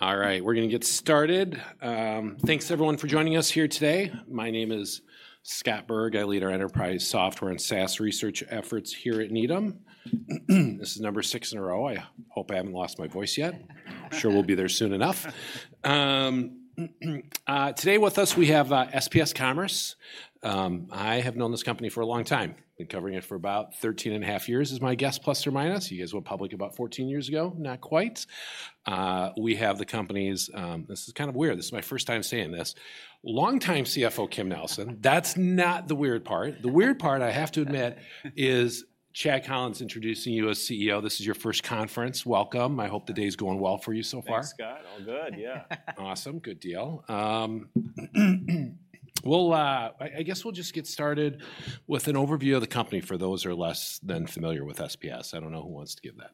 All right, we're gonna get started. Thanks everyone for joining us here today. My name is Scott Berg. I lead our enterprise software and SaaS research efforts here at Needham. This is number 6 in a row. I hope I haven't lost my voice yet. I'm sure we'll be there soon enough. Today with us, we have SPS Commerce. I have known this company for a long time. Been covering it for about 13.5 years, is my guess, plus or minus. You guys went public about 14 years ago, not quite. We have the company's. This is kind of weird, this is my first time saying this: longtime CFO, Kim Nelson. That's not the weird part. The weird part, I have to admit, is Chad Collins introducing you as CEO. This is your first conference. Welcome. I hope the day is going well for you so far. Thanks, Scott. All good, yeah. Awesome. Good deal. We'll just get started with an overview of the company for those who are less than familiar with SPS. I don't know who wants to give that.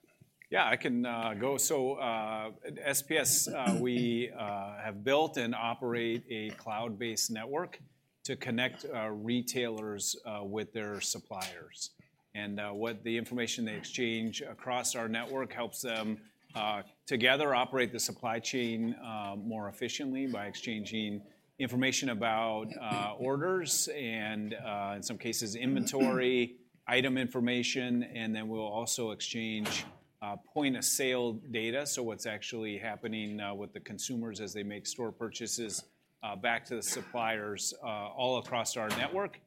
Yeah, I can go. So, at SPS, we have built and operate a cloud-based network to connect retailers with their suppliers. And, the information they exchange across our network helps them together operate the supply chain more efficiently by exchanging information about orders and, in some cases, inventory, item information, and then we'll also exchange point-of-sale data. So what's actually happening with the consumers as they make store purchases back to the suppliers all across our network.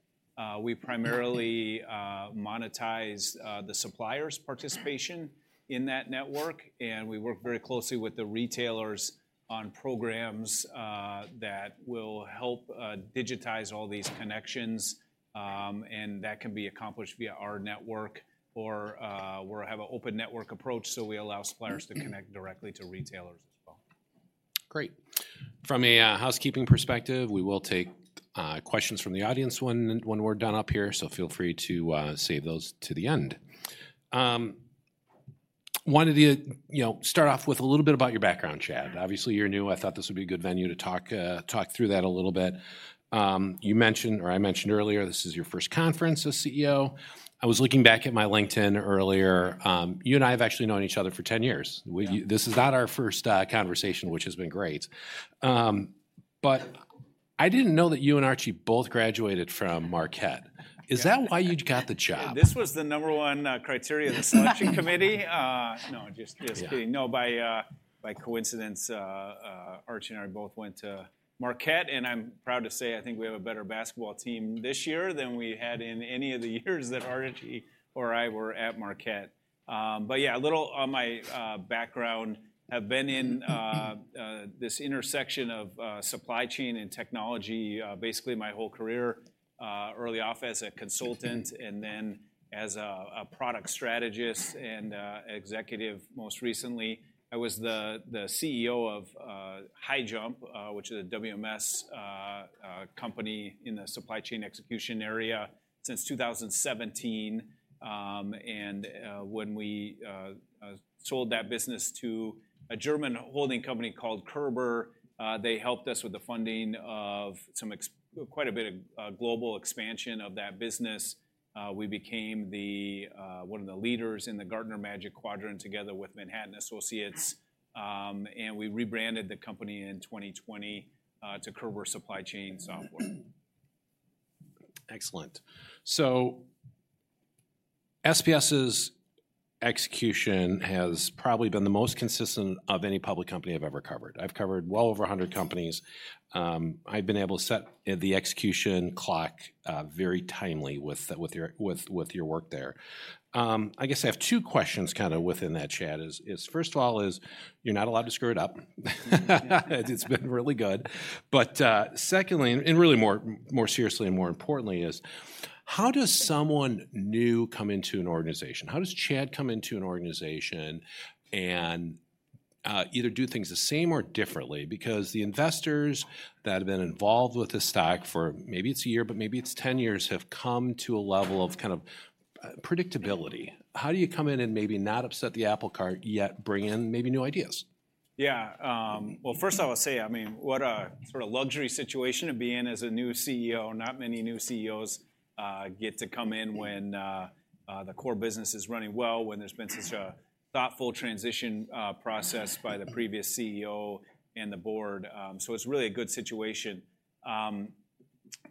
We primarily monetize the suppliers' participation in that network, and we work very closely with the retailers on programs that will help digitize all these connections. And that can be accomplished via our network, or, we have an open network approach, so we allow suppliers to connect directly to retailers as well. Great. From a housekeeping perspective, we will take questions from the audience when we're done up here, so feel free to save those to the end. Wanted to, you know, start off with a little bit about your background, Chad. Obviously, you're new. I thought this would be a good venue to talk through that a little bit. You mentioned, or I mentioned earlier, this is your first conference as CEO. I was looking back at my LinkedIn earlier. You and I have actually known each other for 10 years. Yeah. This is not our first conversation, which has been great. But I didn't know that you and Archie both graduated from Marquette. Yeah. Is that why you got the job? This was the number 1 criteria of the selection committee. No, just, just kidding. Yeah. No, by, by coincidence, Archie and I both went to Marquette, and I'm proud to say, I think we have a better basketball team this year than we had in any of the years that Archie or I were at Marquette. But yeah, a little on my background. Have been in this intersection of supply chain and technology, basically my whole career, early off as a consultant and then as a product strategist and executive most recently. I was the CEO of HighJump, which is a WMS company in the supply chain execution area since 2017. When we sold that business to a German holding company called Körber, they helped us with the funding of some quite a bit of global expansion of that business. We became one of the leaders in the Gartner Magic Quadrant, together with Manhattan Associates, and we rebranded the company in 2020 to Körber Supply Chain Software. Excellent. So SPS's execution has probably been the most consistent of any public company I've ever covered. I've covered well over 100 companies. I've been able to set the execution clock very timely with your work there. I guess I have two questions kind of within that, Chad. First of all, you're not allowed to screw it up. It's been really good. But secondly, and really more seriously and more importantly, is how does someone new come into an organization? How does Chad come into an organization and either do things the same or differently? Because the investors that have been involved with this stock for maybe it's a year, but maybe it's 10 years, have come to a level of kind of predictability. How do you come in and maybe not upset the apple cart, yet bring in maybe new ideas? Yeah, well, first I would say, I mean, what a sort of luxury situation to be in as a new CEO. Not many new CEOs get to come in when the core business is running well, when there's been such a thoughtful transition process by the previous CEO and the board. So it's really a good situation.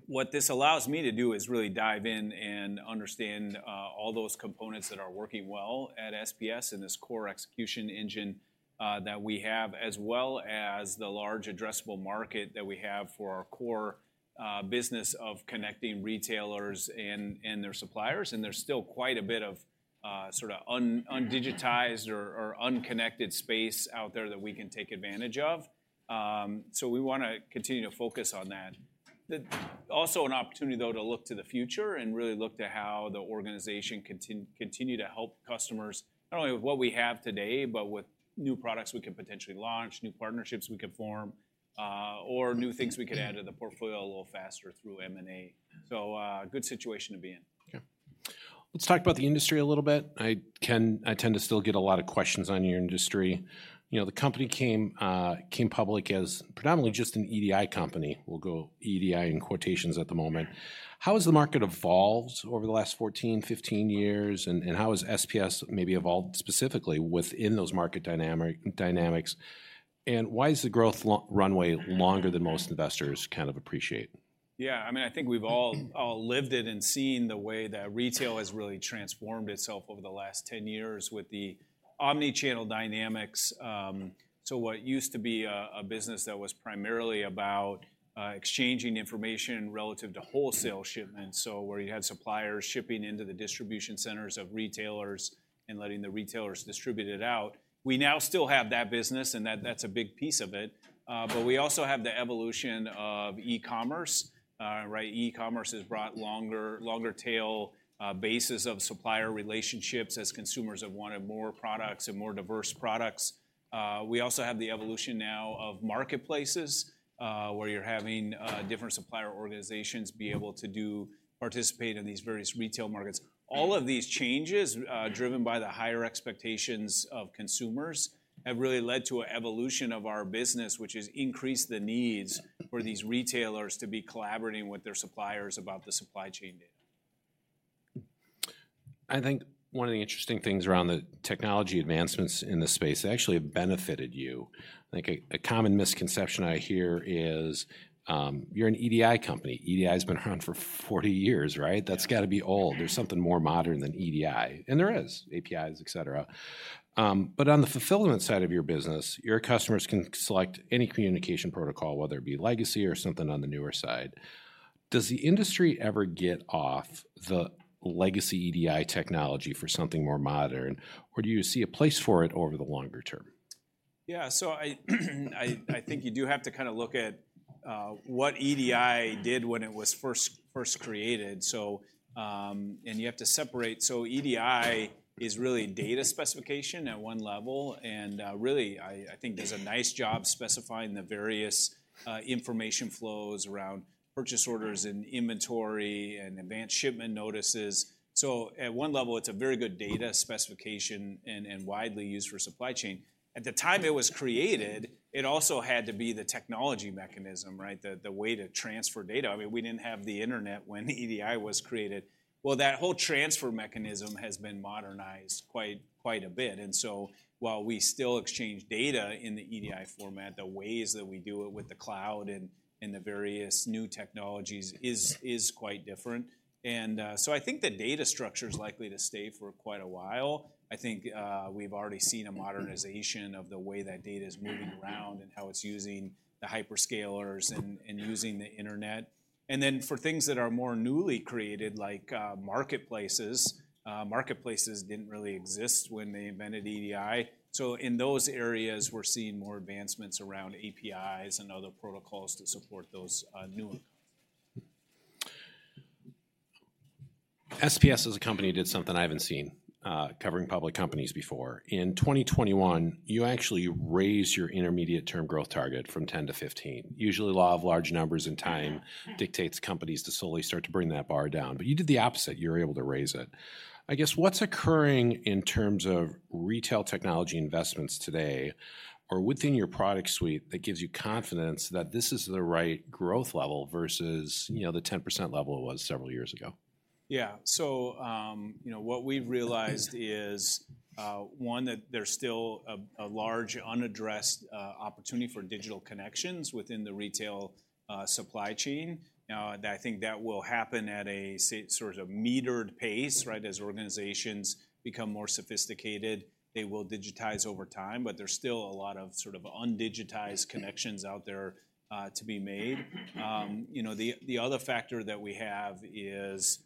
What this allows me to do is really dive in and understand all those components that are working well at SPS and this core execution engine that we have, as well as the large addressable market that we have for our core business of connecting retailers and their suppliers. And there's still quite a bit of sort of undigitized or unconnected space out there that we can take advantage of. So we want to continue to focus on that. Also an opportunity, though, to look to the future and really look to how the organization continue to help customers, not only with what we have today, but with new products we could potentially launch, new partnerships we could form, or new things we could add to the portfolio a little faster through M&A. So, good situation to be in. Yeah. Let's talk about the industry a little bit. I tend to still get a lot of questions on your industry. You know, the company came, came public as predominantly just an EDI company. We'll go EDI in quotations at the moment. How has the market evolved over the last 14, 15 years, and, and how has SPS maybe evolved specifically within those market dynamic, dynamics? And why is the growth runway longer than most investors kind of appreciate? Yeah, I mean, I think we've all lived it and seen the way that retail has really transformed itself over the last 10 years with the omni-channel dynamics. So what used to be a business that was primarily about exchanging information relative to wholesale shipments, so where you had suppliers shipping into the distribution centers of retailers and letting the retailers distribute it out, we now still have that business, and that's a big piece of it. But we also have the evolution of e-commerce. Right? E-commerce has brought longer tail bases of supplier relationships as consumers have wanted more products and more diverse products. We also have the evolution now of marketplaces, where you're having different supplier organizations be able to do participate in these various retail markets. All of these changes, driven by the higher expectations of consumers, have really led to an evolution of our business, which has increased the needs for these retailers to be collaborating with their suppliers about the supply chain data. I think one of the interesting things around the technology advancements in this space, actually have benefited you. I think a common misconception I hear is, you're an EDI company. EDI's been around for 40 years, right? Yeah. That's gotta be old. There's something more modern than EDI. There is: APIs, et cetera. But on the fulfillment side of your business, your customers can select any communication protocol, whether it be legacy or something on the newer side. Does the industry ever get off the legacy EDI technology for something more modern, or do you see a place for it over the longer term? Yeah, so I think you do have to kinda look at what EDI did when it was first created. So you have to separate. So EDI is really data specification at one level, and really I think does a nice job specifying the various information flows around purchase orders and inventory and advanced shipment notices. So at one level, it's a very good data specification and widely used for supply chain. At the time it was created, it also had to be the technology mechanism, right? The way to transfer data. I mean, we didn't have the internet when EDI was created. Well, that whole transfer mechanism has been modernized quite a bit, and so while we still exchange data in the EDI format, the ways that we do it with the cloud and the various new technologies is quite different. And so I think the data structure's likely to stay for quite a while. I think, we've already seen a modernization of the way that data is moving around and how it's using the hyperscalers and using the internet. And then, for things that are more newly created, like, marketplaces, marketplaces didn't really exist when they invented EDI. So in those areas, we're seeing more advancements around APIs and other protocols to support those, new. SPS as a company did something I haven't seen covering public companies before. In 2021, you actually raised your intermediate-term growth target from 10 to 15. Usually, law of large numbers and time dictates companies to slowly start to bring that bar down, but you did the opposite. You were able to raise it. I guess, what's occurring in terms of retail technology investments today or within your product suite that gives you confidence that this is the right growth level versus, you know, the 10% level it was several years ago? Yeah. So, you know, what we've realized is, one, that there's still a large unaddressed opportunity for digital connections within the retail supply chain. Now, that I think that will happen at a sort of a metered pace, right? As organizations become more sophisticated, they will digitize over time, but there's still a lot of sort of un-digitized connections out there to be made. You know, the other factor that we have is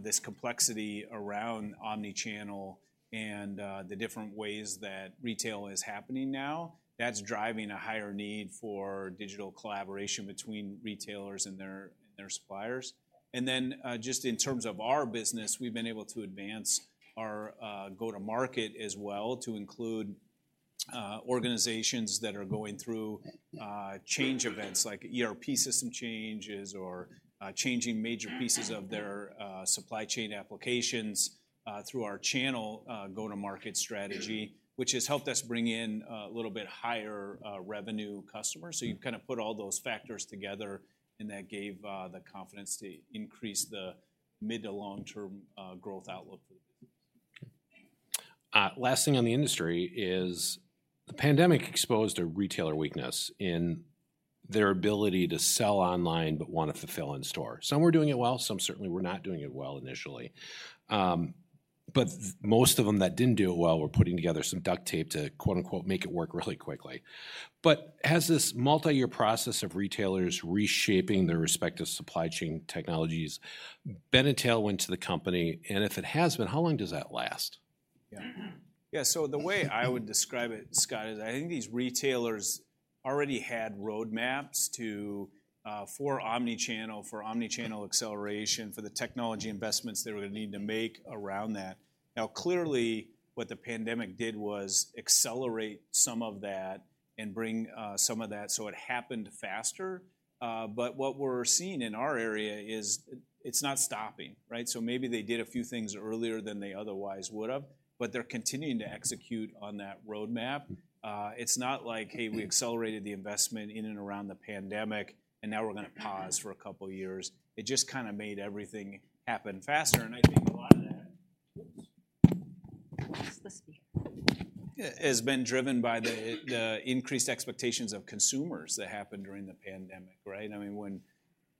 this complexity around omni-channel and the different ways that retail is happening now. That's driving a higher need for digital collaboration between retailers and their suppliers. Then, just in terms of our business, we've been able to advance our go-to-market as well, to include organizations that are going through change events, like ERP system changes or changing major pieces of their supply chain applications, through our channel go-to-market strategy, which has helped us bring in a little bit higher revenue customers. So you kind of put all those factors together, and that gave the confidence to increase the mid- to long-term growth outlook for the business. Last thing on the industry is: the pandemic exposed a retailer weakness in their ability to sell online, but want to fulfill in store. Some were doing it well, some certainly were not doing it well initially. But most of them that didn't do it well were putting together some duct tape to, quote-unquote, "make it work" really quickly. But has this multi-year process of retailers reshaping their respective supply chain technologies benefit tailwind to the company? And if it has been, how long does that last? Yeah. Yeah, so the way I would describe it, Scott, is I think these retailers already had road maps to for omni-channel, for omni-channel acceleration, for the technology investments they were gonna need to make around that. Now, clearly, what the pandemic did was accelerate some of that and bring some of that, so it happened faster. But what we're seeing in our area is it's not stopping, right? So maybe they did a few things earlier than they otherwise would've, but they're continuing to execute on that roadmap. It's not like, "Hey, we accelerated the investment in and around the pandemic, and now we're gonna pause for a couple of years." It just kinda made everything happen faster, and I think a lot of that. Oops!, has been driven by the increased expectations of consumers that happened during the pandemic, right? I mean, when,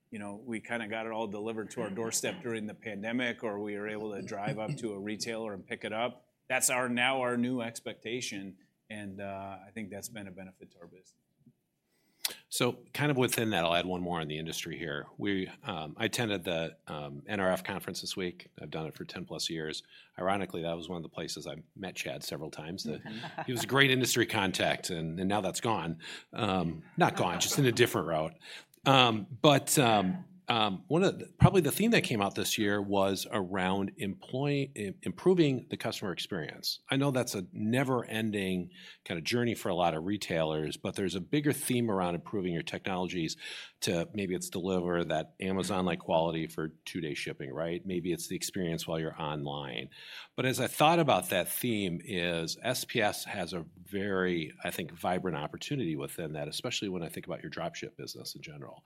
you know, we kind of got it all delivered to our doorstep during the pandemic, or we were able to drive up to a retailer and pick it up, that's now our new expectation, and I think that's been a benefit to our business. So kind of within that, I'll add one more on the industry here. I attended the NRF conference this week. I've done it for 10+ years. Ironically, that was one of the places I met Chad several times. He was a great industry contact, and now that's gone. Not gone, just in a different route. But one of the. Probably the theme that came out this year was around improving the customer experience. I know that's a never-ending kind of journey for a lot of retailers, but there's a bigger theme around improving your technologies to maybe it's deliver that Amazon-like quality for two-day shipping, right? Maybe it's the experience while you're online. But as I thought about that theme, is SPS has a very, I think, vibrant opportunity within that, especially when I think about your drop ship business in general.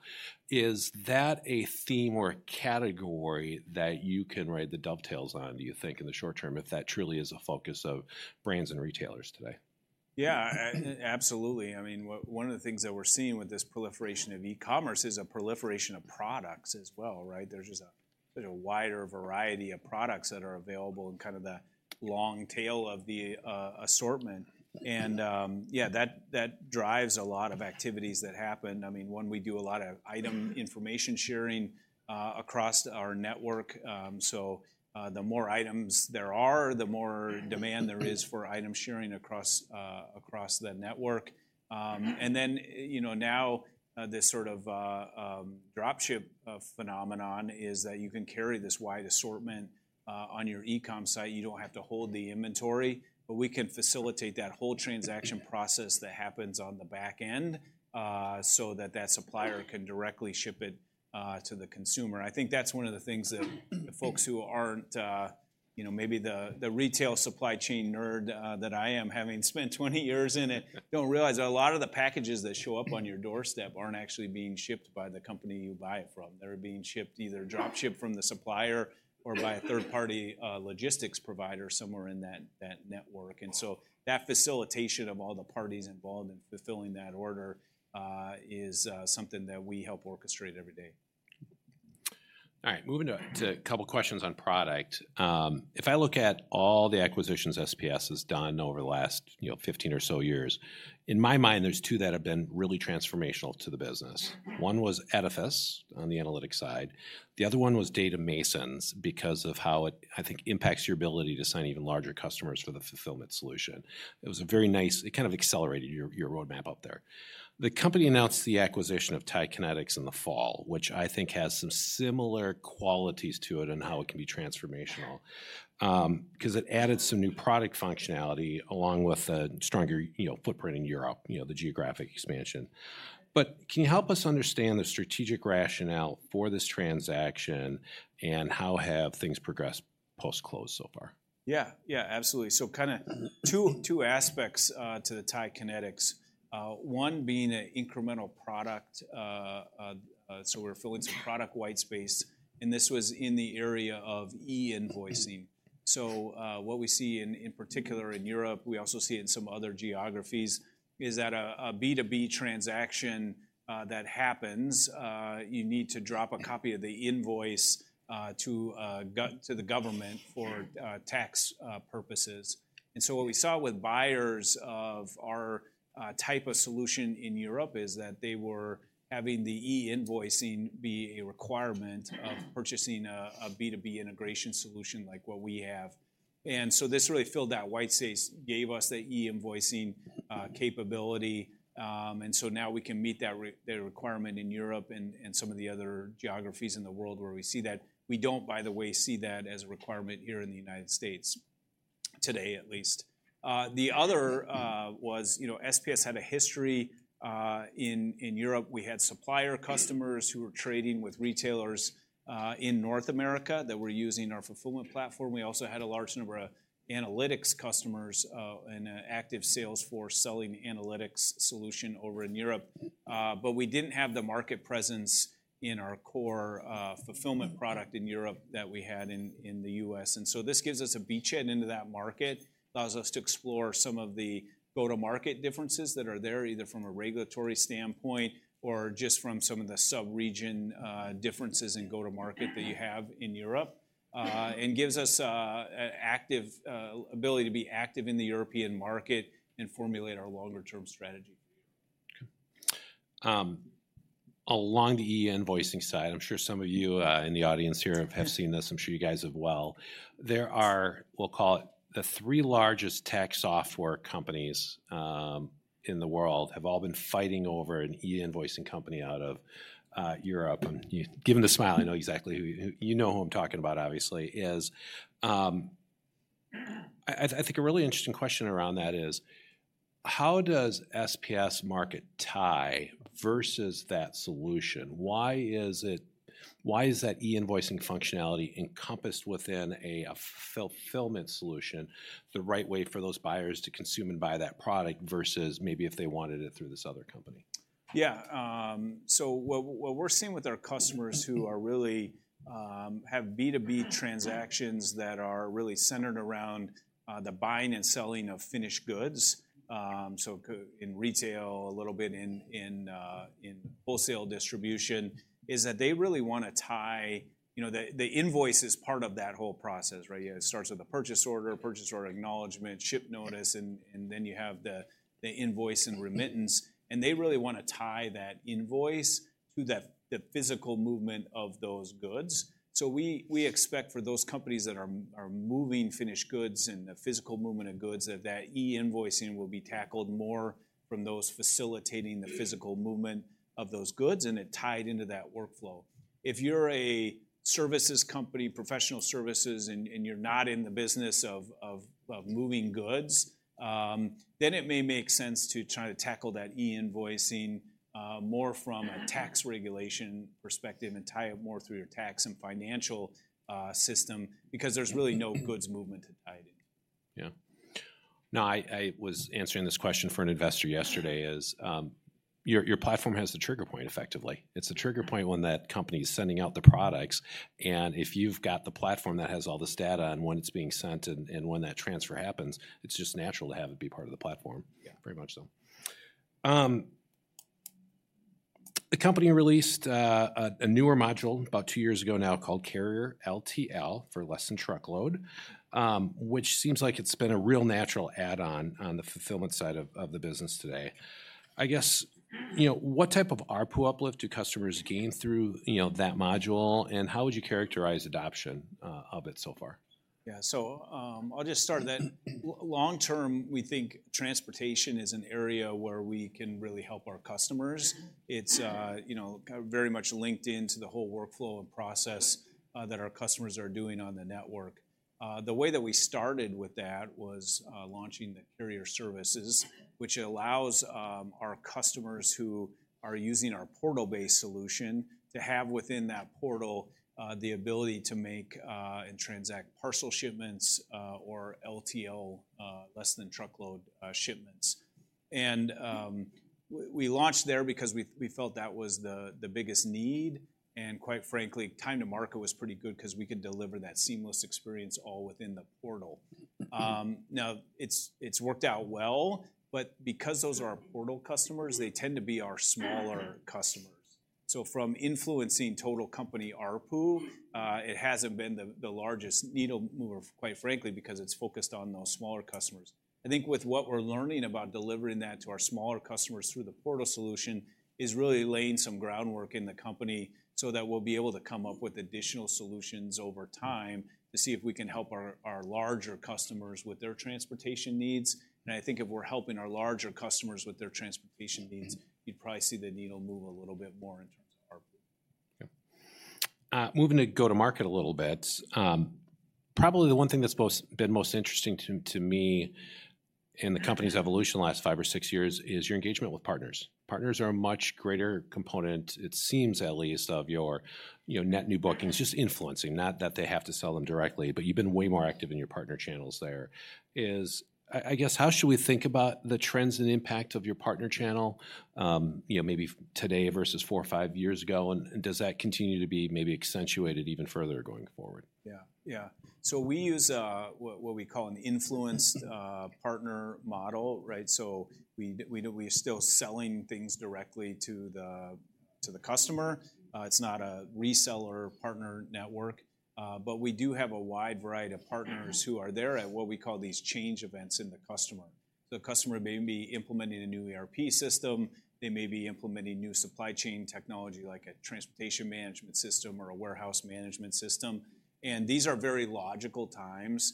Is that a theme or a category that you can ride the dovetails on, do you think, in the short term, if that truly is a focus of brands and retailers today? Yeah, absolutely. I mean, one of the things that we're seeing with this proliferation of e-commerce is a proliferation of products as well, right? There's just a wider variety of products that are available and kind of the long tail of the assortment. And yeah, that drives a lot of activities that happen. I mean, we do a lot of item information sharing across our network. So, the more items there are, the more demand there is for item sharing across the network. And then, you know, now, this sort of drop ship phenomenon is that you can carry this wide assortment on your e-com site. You don't have to hold the inventory, but we can facilitate that whole transaction process that happens on the back end, so that that supplier can directly ship it to the consumer. I think that's one of the things that the folks who aren't, you know, maybe the retail supply chain nerd that I am, having spent 20 years in it, don't realize that a lot of the packages that show up on your doorstep aren't actually being shipped by the company you buy it from. They're being shipped, either drop shipped from the supplier or by a third-party logistics provider somewhere in that network. So that facilitation of all the parties involved in fulfilling that order is something that we help orchestrate every day. All right, moving to a couple questions on product. If I look at all the acquisitions SPS has done over the last, you know, 15 or so years, in my mind, there's two that have been really transformational to the business. One was Edifice on the analytics side, the other one was Data Masons, because of how it, I think, impacts your ability to sign even larger customers for the fulfillment solution. It was a very nice, It kind of accelerated your roadmap up there. The company announced the acquisition of TIE Kinetix in the fall, which I think has some similar qualities to it and how it can be transformational, because it added some new product functionality along with a stronger, you know, footprint in Europe, you know, the geographic expansion. But can you help us understand the strategic rationale for this transaction, and how have things progressed post-close so far? Yeah, yeah, absolutely. So kind of two aspects to the TIE Kinetix, one being an incremental product. So we're filling some product white space, and this was in the area of e-invoicing. So what we see in particular in Europe, we also see it in some other geographies, is that a B2B transaction that happens, you need to drop a copy of the invoice to the government for tax purposes. And so what we saw with buyers of our type of solution in Europe is that they were having the e-invoicing be a requirement of purchasing a B2B integration solution like what we have. And so this really filled that white space, gave us the e-invoicing capability. And so now we can meet that requirement in Europe and some of the other geographies in the world where we see that. We don't, by the way, see that as a requirement here in the United States, today, at least. The other was, you know, SPS had a history in Europe. We had supplier customers who were trading with retailers in North America that were using our fulfillment platform. We also had a large number of analytics customers and an active sales force selling analytics solution over in Europe. But we didn't have the market presence in our core fulfillment product in Europe that we had in the U.S. And so this gives us a beachhead into that market, allows us to explore some of the go-to-market differences that are there, either from a regulatory standpoint or just from some of the sub-region differences in go-to-market that you have in Europe, and gives us an active ability to be active in the European market and formulate our longer-term strategy. Along the e-invoicing side, I'm sure some of you in the audience here have seen this. I'm sure you guys have well. There are, we'll call it, the three largest tech software companies in the world have all been fighting over an e-invoicing company out of Europe. And you, given the smile, I know exactly who. You know who I'm talking about, obviously is. I think a really interesting question around that is: how does SPS TIE versus that solution? Why is it, why is that e-invoicing functionality encompassed within a fulfillment solution, the right way for those buyers to consume and buy that product, versus maybe if they wanted it through this other company? Yeah, so what, what we're seeing with our customers who are really have B2B transactions that are really centered around the buying and selling of finished goods, so in retail, a little bit in wholesale distribution, is that they really want to tie, you know, the, the invoice is part of that whole process, right? It starts with a purchase order, purchase order acknowledgement, ship notice, and, and then you have the, the invoice and remittance, and they really want to tie that invoice to the, the physical movement of those goods. So we, we expect for those companies that are are moving finished goods and the physical movement of goods, that that e-invoicing will be tackled more from those facilitating the physical movement of those goods, and it tied into that workflow. If you're a services company, professional services, and you're not in the business of moving goods, then it may make sense to try to tackle that e-invoicing more from a tax regulation perspective and tie it more through your tax and financial system, because there's really no goods movement to tie it in. Yeah. No, I was answering this question for an investor yesterday, your platform has the trigger point, effectively. It's the trigger point when that company's sending out the products, and if you've got the platform that has all this data on when it's being sent and when that transfer happens, it's just natural to have it be part of the platform. Yeah. Very much so. The company released a newer module about two years ago now called Carrier LTL, for less than truckload, which seems like it's been a real natural add-on on the fulfillment side of the business today. I guess, you know, what type of ARPU uplift do customers gain through, you know, that module, and how would you characterize adoption of it so far? Yeah. So, I'll just start that long term, we think transportation is an area where we can really help our customers. It's, you know, kind of very much linked into the whole workflow and process that our customers are doing on the network. The way that we started with that was launching Carrier Services, which allows our customers who are using our portal-based solution to have, within that portal, the ability to make and transact parcel shipments or LTL, less than truckload, shipments. And we launched there because we felt that was the biggest need, and quite frankly, time to market was pretty good 'cause we could deliver that seamless experience all within the portal. Now, it's worked out well, but because those are our portal customers, they tend to be our smaller customers. So from influencing total company ARPU, it hasn't been the largest needle mover, quite frankly, because it's focused on those smaller customers. I think with what we're learning about delivering that to our smaller customers through the portal solution, is really laying some groundwork in the company so that we'll be able to come up with additional solutions over time, to see if we can help our larger customers with their transportation needs. And I think if we're helping our larger customers with their transportation needs, you'd probably see the needle move a little bit more in terms of ARPU. Yeah. Moving to go-to-market a little bit, probably the one thing that's been most interesting to me in the company's evolution in the last five or six years is your engagement with partners. Partners are a much greater component, it seems at least, of your, you know, net new bookings, just influencing, not that they have to sell them directly, but you've been way more active in your partner channels there. I guess how should we think about the trends and impact of your partner channel, you know, maybe today versus four or five years ago, and does that continue to be maybe accentuated even further going forward? Yeah, yeah. So we use what we call an influenced partner model, right? So we do, we're still selling things directly to the customer. It's not a reseller partner network, but we do have a wide variety of partners who are there at what we call these change events in the customer. The customer may be implementing a new ERP system, they may be implementing new supply chain technology, like a transportation management system or a warehouse management system, and these are very logical times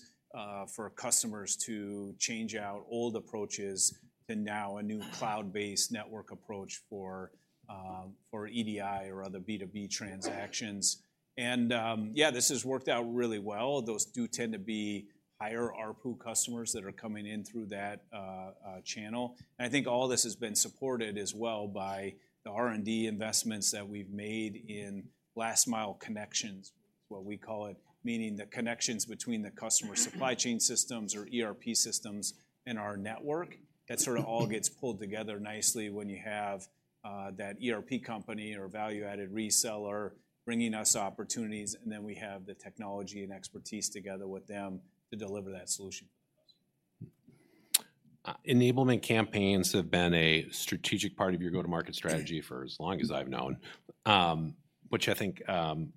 for customers to change out old approaches to now a new cloud-based network approach for EDI or other B2B transactions. And yeah, this has worked out really well. Those do tend to be higher ARPU customers that are coming in through that channel. I think all this has been supported as well by the R&D investments that we've made in last-mile connections, what we call it, meaning the connections between the customer supply chain systems or ERP systems and our network. That sort of all gets pulled together nicely when you have, that ERP company or value-added reseller bringing us opportunities, and then we have the technology and expertise together with them to deliver that solution. Enablement campaigns have been a strategic part of your go-to-market strategy for as long as I've known, which I think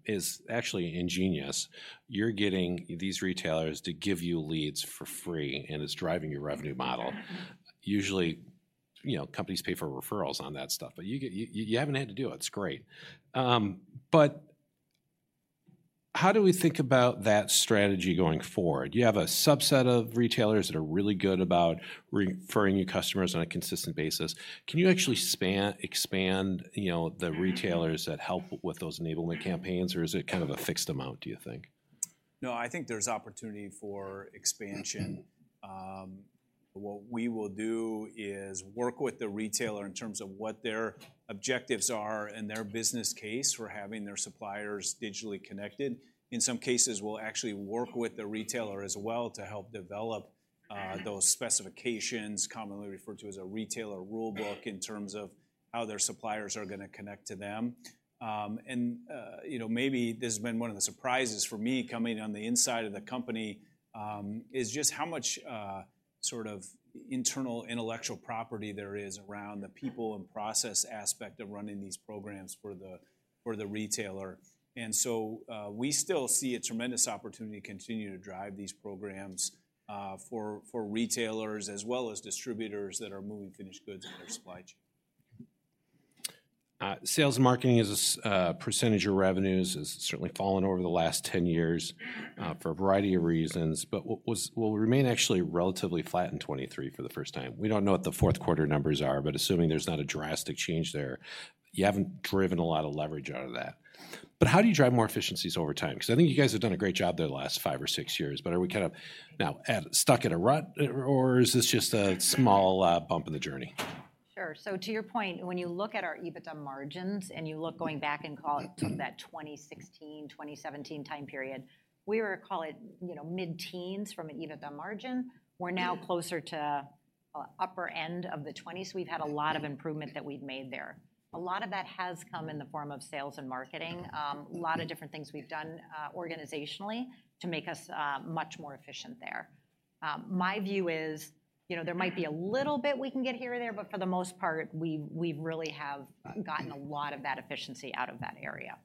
is actually ingenious. You're getting these retailers to give you leads for free, and it's driving your revenue model. Usually, you know, companies pay for referrals on that stuff, but you haven't had to do it. It's great. But how do we think about that strategy going forward? You have a subset of retailers that are really good about referring you customers on a consistent basis. Can you actually expand, you know, the retailers that help with those enablement campaigns, or is it kind of a fixed amount, do you think? No, I think there's opportunity for expansion. What we will do is work with the retailer in terms of what their objectives are and their business case for having their suppliers digitally connected. In some cases, we'll actually work with the retailer as well to help develop those specifications, commonly referred to as a retailer rulebook, in terms of how their suppliers are gonna connect to them. And, you know, maybe this has been one of the surprises for me coming on the inside of the company, is just how much, sort of internal intellectual property there is around the people and process aspect of running these programs for the retailer. We still see a tremendous opportunity to continue to drive these programs for retailers as well as distributors that are moving finished goods in their supply chain. Sales and marketing as a percentage of revenues has certainly fallen over the last 10 years for a variety of reasons, but will remain actually relatively flat in 2023 for the first time. We don't know what the fourth quarter numbers are, but assuming there's not a drastic change there, you haven't driven a lot of leverage out of that. But how do you drive more efficiencies over time? Because I think you guys have done a great job there the last five or six years, but are we kind of now at stuck in a rut, or is this just a small bump in the journey? Sure. So to your point, when you look at our EBITDA margins, and you look going back and call it from that 2016, 2017 time period, we were call it, you know, mid-teens from an EBITDA margin. We're now closer to upper end of the 20s, so we've had a lot of improvement that we've made there. A lot of that has come in the form of sales and marketing, a lot of different things we've done organizationally to make us much more efficient there. My view is, you know, there might be a little bit we can get here or there, but for the most part, we've really have gotten a lot of that efficiency out of that area.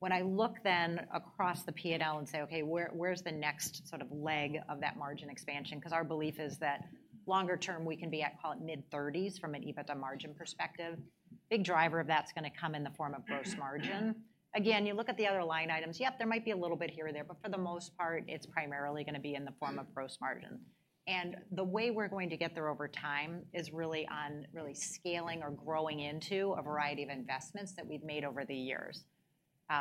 When I look then across the P&L and say, "Okay, where, where's the next sort of leg of that margin expansion?" 'Cause our belief is that longer term, we can be at, call it, mid-thirties from an EBITDA margin perspective. Big driver of that's gonna come in the form of gross margin. Again, you look at the other line items, yep, there might be a little bit here or there, but for the most part, it's primarily gonna be in the form of gross margin. And the way we're going to get there over time is really on really scaling or growing into a variety of investments that we've made over the years.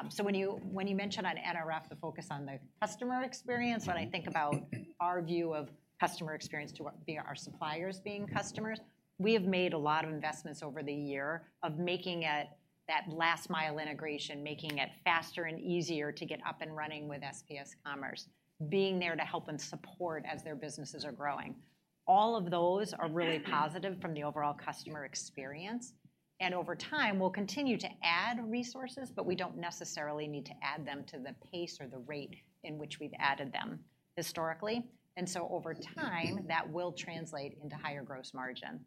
So when you mention on NRF, the focus on the customer experience, when I think about our view of customer experience to what via our suppliers being customers, we have made a lot of investments over the year of making it, that last-mile integration, making it faster and easier to get up and running with SPS Commerce, being there to help and support as their businesses are growing. All of those are really positive from the overall customer experience, and over time, we'll continue to add resources, but we don't necessarily need to add them to the pace or the rate in which we've added them historically. And so over time, that will translate into higher gross margin.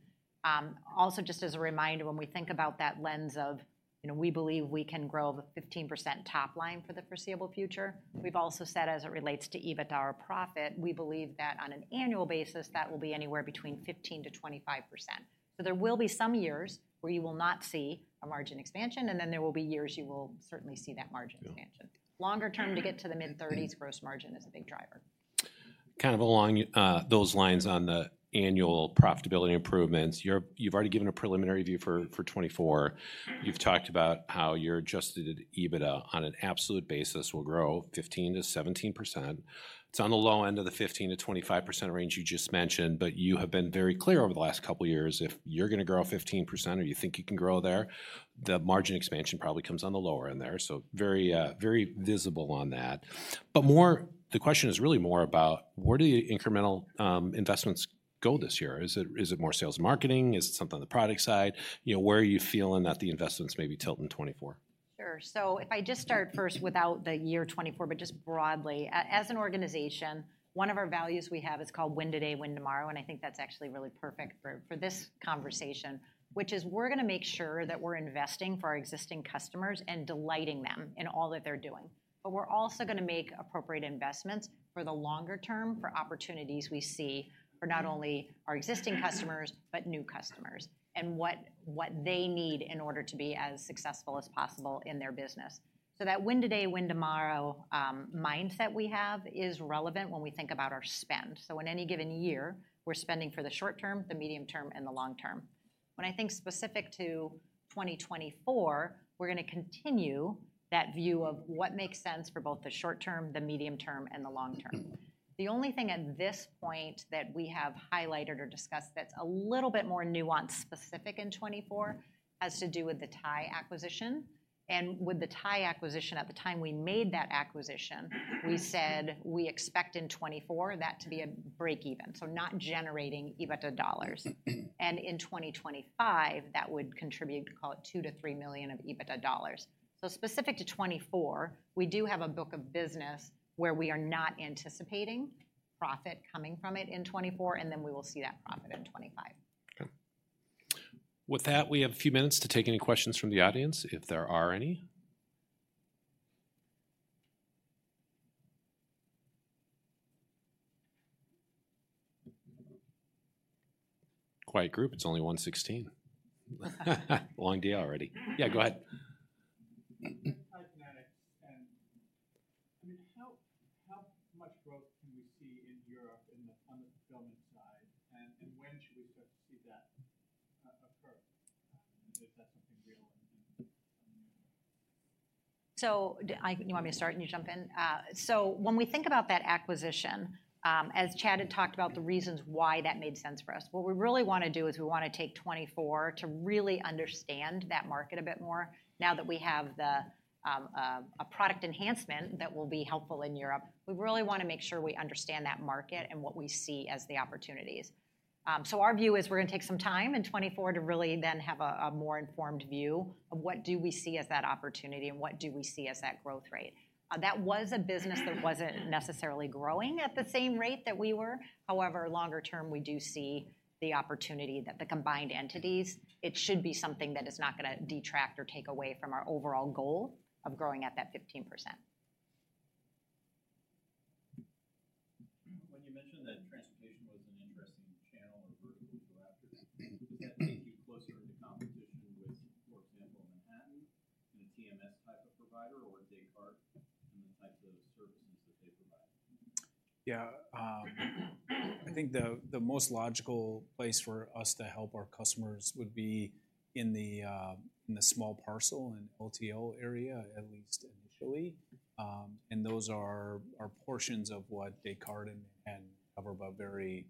Also, just as a reminder, when we think about that lens of, you know, we believe we can grow 15% top line for the foreseeable future, we've also said, as it relates to EBITDA or profit, we believe that on an annual basis, that will be anywhere between 15%-25%. So there will be some years where you will not see a margin expansion, and then there will be years you will certainly see that margin expansion. Yeah. Longer term, to get to the mid-thirties, gross margin is a big driver. Kind of along those lines on the annual profitability improvements, you're already given a preliminary view for, for 2024. You've talked about how your adjusted EBITDA on an absolute basis will grow 15%-17%. It's on the low end of the 15%-25% range you just mentioned, but you have been very clear over the last couple of years, if you're gonna grow 15% or you think you can grow there, the margin expansion probably comes on the lower end there, so very, very visible on that. But more, the question is really more about where do the incremental investments go this year? Is it, is it more sales and marketing? Is it something on the product side? You know, where are you feeling that the investments may be tilting in 2024? Sure. So if I just start first without the year 2024, but just broadly, as an organization, one of our values we have is called Win Today, Win Tomorrow, and I think that's actually really perfect for this conversation, which is we're gonna make sure that we're investing for our existing customers and delighting them in all that they're doing. But we're also gonna make appropriate investments for the longer term, for opportunities we see for not only our existing customers, but new customers, and what they need in order to be as successful as possible in their business. So that Win Today, Win Tomorrow mindset we have is relevant when we think about our spend. So in any given year, we're spending for the short term, the medium term, and the long term. When I think specific to 2024, we're gonna continue that view of what makes sense for both the short term, the medium term, and the long term. The only thing at this point that we have highlighted or discussed that's a little bit more nuanced, specific in 2024, has to do with the TIE acquisition. And with the TIE acquisition, at the time we made that acquisition, we said we expect in 2024 that to be a break even, so not generating EBITDA dollars. And in 2025, that would contribute, call it $2 million-$3 million of EBITDA dollars. So specific to 2024, we do have a book of business where we are not anticipating profit coming from it in 2024, and then we will see that profit in 2025. Okay. With that, we have a few minutes to take any questions from the audience, if there are any. Quiet group, it's only 1:16 P.M. Long day already. Yeah, go ahead. Hi, Janet. I mean, how much growth can we see in Europe on the fulfillment side, and when should we start to see that occur, if that's something? So, I, you want me to start and you jump in? So when we think about that acquisition, as Chad had talked about the reasons why that made sense for us, what we really want to do is we want to take 2024 to really understand that market a bit more. Now that we have the a product enhancement that will be helpful in Europe, we really want to make sure we understand that market and what we see as the opportunities. So our view is we're going to take some time in 2024 to really then have a more informed view of what do we see as that opportunity and what do we see as that growth rate. That was a business that wasn't necessarily growing at the same rate that we were. However, longer term, we do see the opportunity that the combined entities, it should be something that is not going to detract or take away from our overall goal of growing at that 15%. When you mentioned that transportation was an interesting channel or vertical to go after, does that take you closer into competition with, for example, Manhattan and a TMS type of provider, or Descartes and the types of services that they provide? Yeah. I think the, the most logical place for us to help our customers would be in the, in the small parcel and LTL area, at least initially. And those are, are portions of what Descartes and, and Körber but very,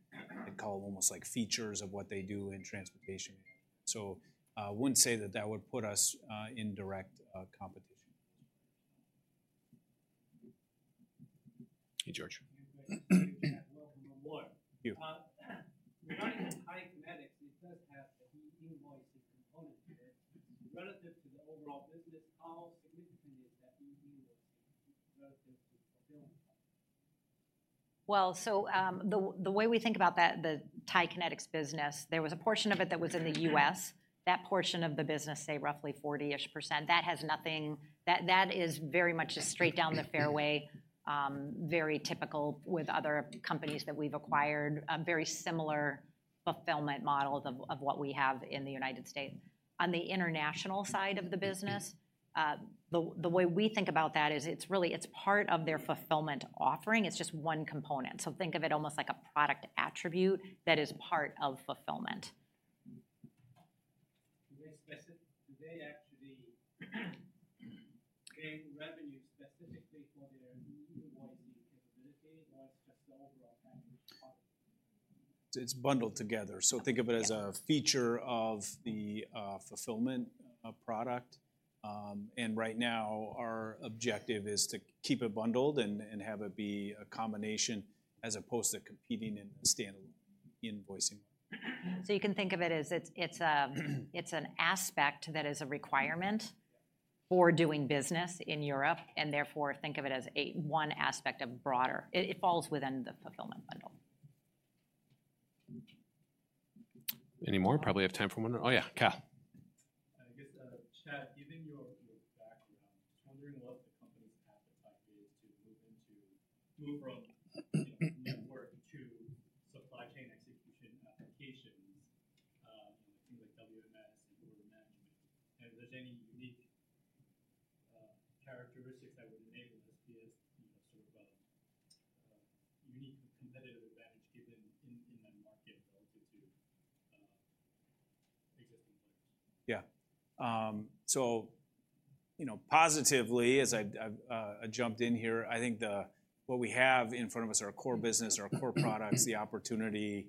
I'd call them almost like features of what they do in transportation. So, I wouldn't say that that would put us, in direct, competition. Hey, George. Welcome aboard. You. Regarding TIE Kinetix, it does have the e-invoicing component to it. Relative to the overall business, how significant is that e-invoicing relative to fulfillment? Well, so, the way we think about that, the TIE Kinetix business, there was a portion of it that was in the U.S. That portion of the business, say roughly 40-ish%, that has nothing, that is very much just straight down the fairway, very typical with other companies that we've acquired, a very similar fulfillment model of what we have in the United States. On the international side of the business, the way we think about that is it's really, it's part of their fulfillment offering. It's just one component. So think of it almost like a product attribute that is part of fulfillment. Do they actually gain revenue specifically for their e-invoicing capability, or it's just the overall package product? It's bundled together. So think of it as a feature of the fulfillment product. And right now, our objective is to keep it bundled and have it be a combination as opposed to competing in a standalone invoicing. So you can think of it as it's an aspect that is a requirement. Yeah. For doing business in Europe, and therefore, think of it as one aspect of broader. It falls within the fulfillment bundle. Any more? Probably have time for one more. Oh, yeah, Cal. I guess, Chad, given your background, just wondering what the company's appetite is to move from, you know, network to supply chain execution applications, you know, things like WMS and order management, and if there's any unique characteristics that would enable SPS, you know, sort of a unique competitive advantage given in that market relative to existing players? Yeah. So you know, positively, as I've jumped in here, I think the. What we have in front of us, our core business, our core products, the opportunity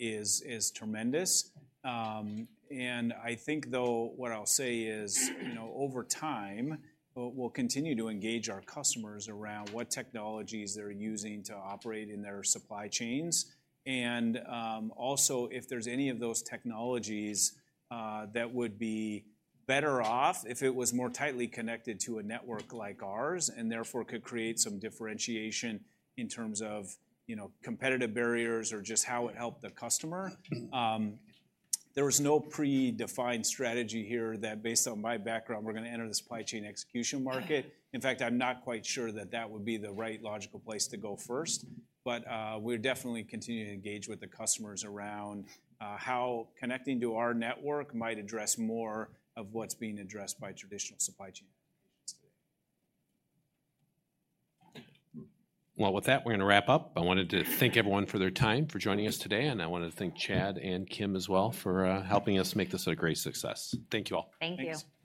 is tremendous. And I think, though, what I'll say is, you know, over time, we'll continue to engage our customers around what technologies they're using to operate in their supply chains. And also, if there's any of those technologies that would be better off if it was more tightly connected to a network like ours, and therefore could create some differentiation in terms of, you know, competitive barriers or just how it helped the customer. There was no predefined strategy here that based on my background, we're going to enter the supply chain execution market. In fact, I'm not quite sure that that would be the right logical place to go first. But, we're definitely continuing to engage with the customers around, how connecting to our network might address more of what's being addressed by traditional supply chain applications today. Well, with that, we're going to wrap up. I wanted to thank everyone for their time, for joining us today, and I wanted to thank Chad and Kim as well for helping us make this a great success. Thank you all. Thank you. Thanks.